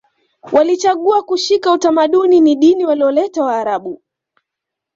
Walichagua kushika utamaduni ni dini walioleta waarabu